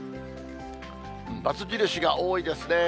×印が多いですね。